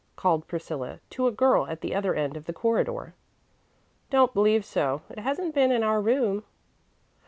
called Priscilla to a girl at the other end of the corridor. "Don't believe so. It hasn't been in our room."